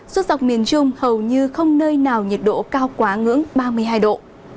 suốt dọc miền trung hầu như không nơi nào nhiệt độ cao quá ngưỡng ba mươi hai độ